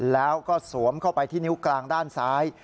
แล้วก็สวมเข้าไปที่นิ้วกลางด้านซ้าย